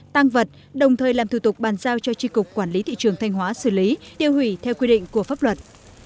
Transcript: tăng vật đồng thời làm thủ tục bàn giao cho tri cục quản lý thị trường thanh hóa xử lý tiêu hủy theo quy định của pháp luật